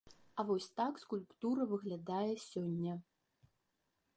А вось так скульптура выглядае сёння.